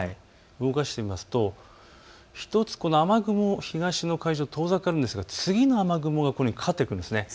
動かしてみると１つこの雨雲が東の海上へ遠ざかるんですが次の雨雲がかかってくるんです。